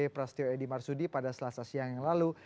prastyo edy marsudi pada selasa siang yang lalu